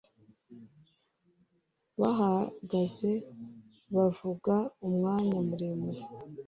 Bahagaze bavuga umwanya muremure.